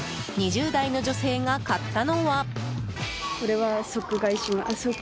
２０代の女性が買ったのは。